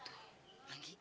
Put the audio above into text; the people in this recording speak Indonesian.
hai itu manggisnya ya